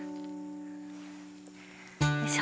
よいしょ。